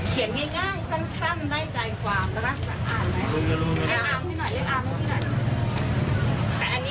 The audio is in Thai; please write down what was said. เขียนง่ายสั้นได้ใจความ